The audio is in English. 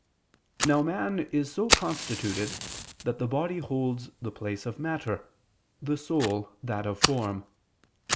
Now man is so constituted that the body holds the place of matter, the soul that of form.